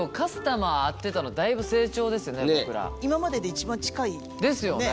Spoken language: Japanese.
今までで一番近い。ですよね？